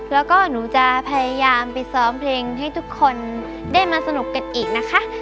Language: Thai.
แล้วก็หนูจะพยายามไปซ้อมเพลงให้ทุกคนได้มาสนุกกันอีกนะคะ